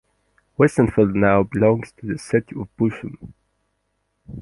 Westenfeld now belongs to the city of Bochum.